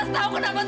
amirah itu selamat